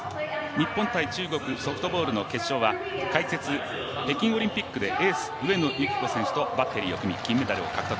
日本×中国の解説、北京オリンピックでエース、上野由岐子選手とバッテリーを組み金メダルを獲得。